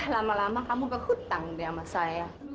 lama lama kamu kehutang deh sama saya